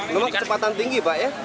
memang kecepatan tinggi pak ya